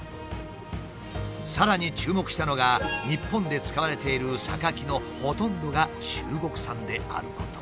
さらに注目したのが日本で使われているサカキのほとんどが中国産であること。